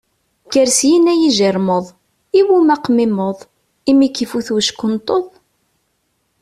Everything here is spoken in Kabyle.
Kker syin a yijiṛmeḍ, iwumi aqmimmeḍ, imi k-ifut uckenṭeḍ?